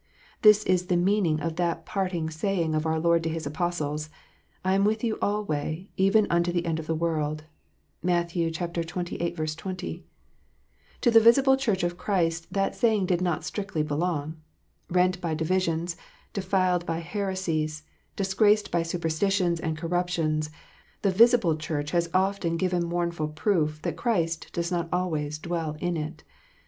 This is the meaning of that parting saying of our Lord to His Apostles, " I am with you alway, even unto the end of the world." (Matt, xxviii. 20.) To the visible Church of Christ that saying did not strictly belong. Rent by divisions, denied by heresies, disgraced by superstitions and corruptions, the visible Church has often given mournful proof that Christ does not always dwell in it.